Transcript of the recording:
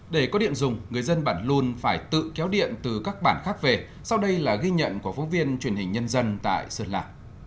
để có điện dùng người dân bản luôn phải tự kéo điện từ các bản khác về sau đây là ghi nhận của phóng viên truyền hình nhân dân tại sơn la